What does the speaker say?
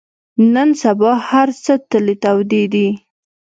نن سبا هر څه تلې تودې دي.